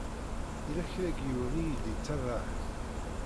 Yella kra n yiwen i yi-d-itabaɛen.